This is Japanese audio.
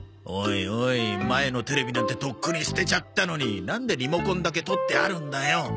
おいおい前のテレビなんてとっくに捨てちゃったのになんでリモコンだけ取ってあるんだよ。